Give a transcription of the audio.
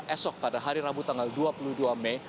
esok pada hari rabu tanggal dua puluh dua mei